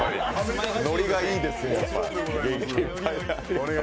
ノリがいいですよ、やっぱり。